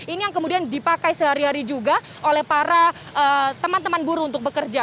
ini yang kemudian dipakai sehari hari juga oleh para teman teman buruh untuk bekerja